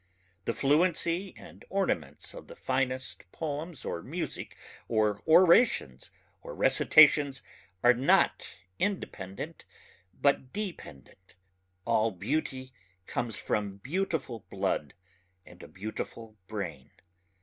The fluency and ornaments of the finest poems or music or orations or recitations are not independent but dependent. All beauty comes from beautiful blood and a beautiful brain.